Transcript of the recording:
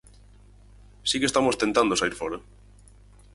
Si que estamos tentando saír fóra.